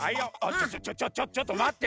ちょちょちょっとまって。